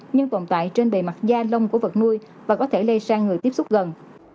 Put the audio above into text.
nhưng tồn tại trên bề mặt da lông của vật nuôi và có thể lây sang người tiếp xúc gần